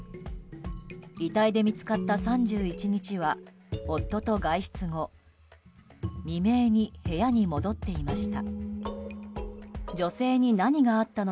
遺体で見つかった３１日は夫と外出後未明に部屋に戻っていました。